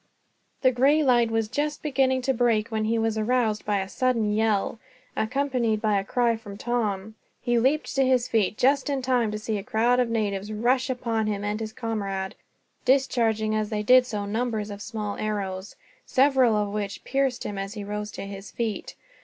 The gray light was just beginning to break when he was aroused by a sudden yell, accompanied by a cry from Tom. He leaped to his feet, just in time to see a crowd of natives rush upon himself and his comrade, discharging as they did so numbers of small arrows, several of which pierced him as he rose to his feet.